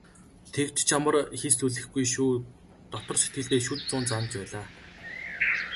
"Тэгж ч амар хийцлүүлэхгүй шүү" дотор сэтгэлдээ шүд зуун занаж байлаа.